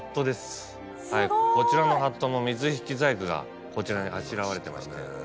こちらのハットも水引細工がこちらにあしらわれてまして。